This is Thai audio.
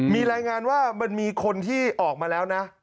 มีรายงานว่ามันมีคนที่ออกมาแล้วนะ